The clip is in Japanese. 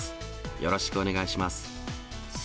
よろしくお願いします。